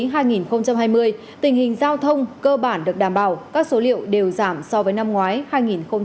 tình hình giao thông cơ bản được đảm bảo các số liệu đều giảm so với năm ngoái hai nghìn một mươi chín